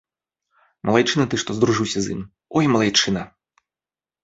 Малайчына ты, што здружыўся з ім, ой, малайчына!